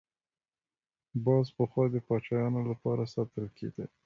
باز پخوا د پاچایانو لپاره ساتل کېده